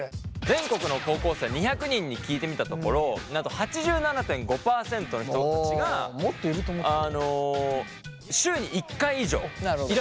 全国の高校生２００人に聞いてみたところなんと８７．５％の人たちが週に１回以上イラっとすると答えたんですって。